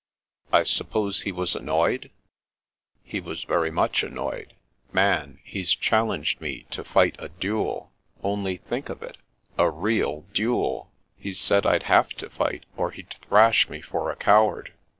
" I suppose he was annoyed." " He was very much annoyed. Man, he's dial The Challenge 247 lenged me to fight a dud. Only think of it, a real dud f He said I'd have to fight, or he'd thrash me for a coward.